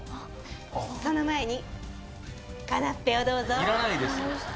その前に、カナッペをどうぞ。